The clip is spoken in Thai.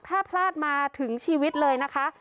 ถ้าพลาดมาถึงชีวิตเลยนะคะ